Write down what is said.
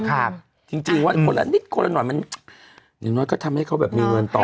จริงจริงว่าคนละนิดคนละหน่อยมันอย่างน้อยก็ทำให้เขาแบบมีเงินต่อ